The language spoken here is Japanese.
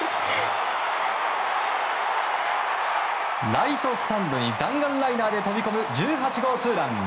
ライトスタンドに弾丸ライナーで飛び込む１８号ツーラン。